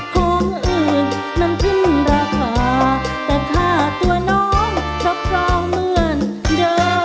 ของอื่นนั้นขึ้นราคาแต่ค่าตัวน้องรับรองเหมือนเดิม